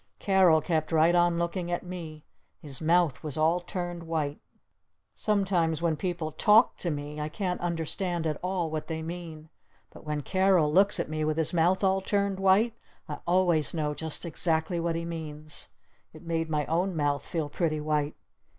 Carol kept right on looking at me. His mouth was all turned white. Sometimes when people talk to me I can't understand at all what they mean. But when Carol looks at me with his mouth all turned white, I always know just exactly what he means! It made my own mouth feel pretty white!